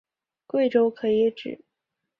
贵州可以指